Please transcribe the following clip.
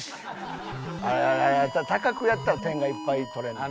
あれ高くやったら点がいっぱい取れんねん。